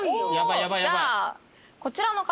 じゃあこちらの方から。